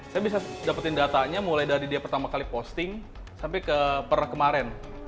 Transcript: saya bisa dapetin datanya mulai dari dia pertama kali posting sampai ke kemarin